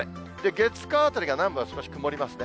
月、火、あたりが南部は少し曇りますね。